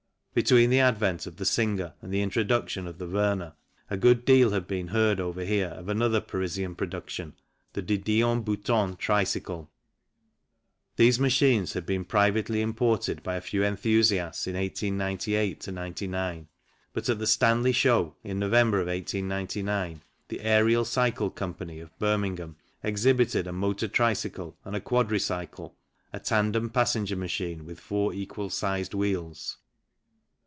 Between the advent of the Singer and the introduction of the Werner a good deal had been heard over here of another Parisian production, the De Dion Bouton tricycle. These machines had been privately imported by a few enthusiasts in 1898 99, but at the Stanley Show in November, of 1899, the Ariel Cycle Co., of Birmingham, exhibited a motor tricycle and a quadri cycle (a tandem passenger machine with four equal sized wheels).